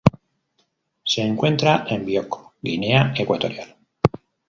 Se encuentra en Bioko, Guinea Ecuatorial.